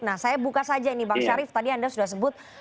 nah saya buka saja ini bang syarif tadi anda sudah sebut